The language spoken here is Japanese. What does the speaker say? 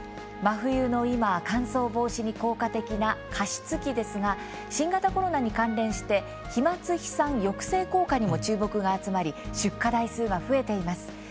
真冬の今乾燥防止に効果的な加湿器ですが新型コロナに関連して飛まつ飛散抑制効果にも注目が集まり出荷台数が増えています。